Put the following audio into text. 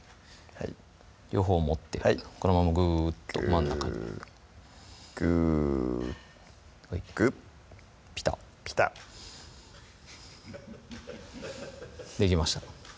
はい両方持ってこのままグーッと真ん中にグーッグッピタッピタッできましたか？